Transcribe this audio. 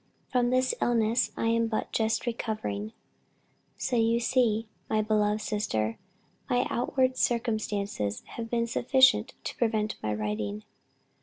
From this illness I am but just recovering. So you see, my beloved sister, my outward circumstances have been sufficient to prevent my writing.